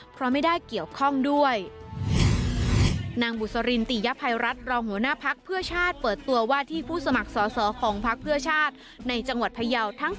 เพราะไม่ได้เกี่ยวข้องด้วย